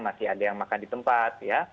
masih ada yang makan di tempat ya